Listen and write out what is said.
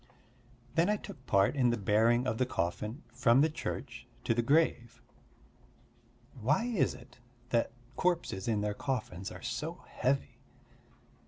Then I took part in the bearing of the coffin from the church to the grave. Why is it that corpses in their coffins are so heavy?